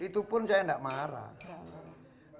itu pun saya tidak marah